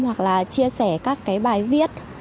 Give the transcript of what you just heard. hoặc là chia sẻ các cái bài viết